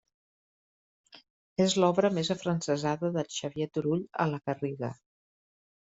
És l'obra més afrancesada de Xavier Turull a La Garriga.